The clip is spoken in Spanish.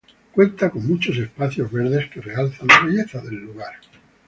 Cuenta con muchos espacios verdes que realzan la belleza del lugar.